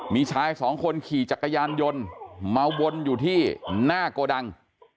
มีชายสองคนขี่จักรยานยนต์มาวนอยู่ที่หน้าโกดัง